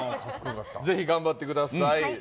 ぜひ、頑張ってください。